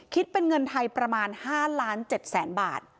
คิดเป็นเงินไทยประมาณ๕ล้าน๗แสนบาท